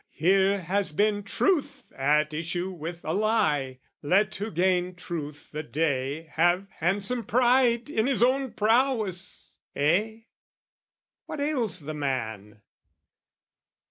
Here has been truth at issue with a lie: Let who gained truth the day have handsome pride In his own prowess! Eh? What ails the man?